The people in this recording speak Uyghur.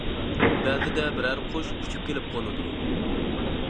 بەزىدە بىرەر قۇش ئۇچۇپ كېلىپ قونىدۇ.